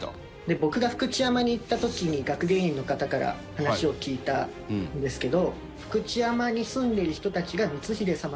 僕が福知山に行った時に学芸員の方から話を聞いたんですけど。